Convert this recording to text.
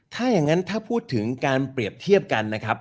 ถ้าอย่างนั้นถ้าพูดถึงการเปรียบเทียบกันนะครับ